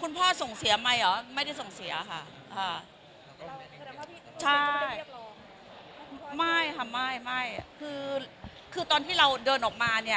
คุณพ่อส่งเสียใหม่เหรอไม่ได้ส่งเสียค่ะใช่ไม่ค่ะไม่ไม่คือคือตอนที่เราเดินออกมาเนี่ย